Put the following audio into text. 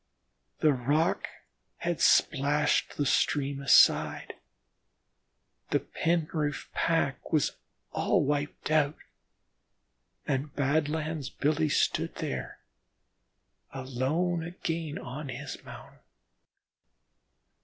The rock had splashed the stream aside the Penroof pack was all wiped out; and Badlands Billy stood there, alone again on his mountain.